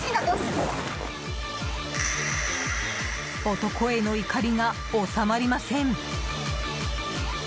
男への怒りが収まりません。